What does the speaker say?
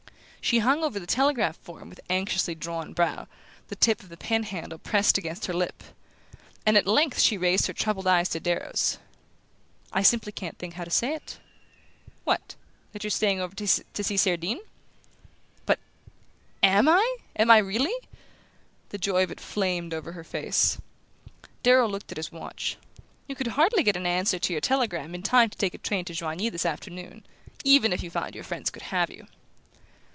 She hung over the telegraph form with anxiously drawn brow, the tip of the pen handle pressed against her lip; and at length she raised her troubled eyes to Darrow's. "I simply can't think how to say it." "What that you're staying over to see Cerdine?" "But AM I am I, really?" The joy of it flamed over her face. Darrow looked at his watch. "You could hardly get an answer to your telegram in time to take a train to Joigny this afternoon, even if you found your friends could have you."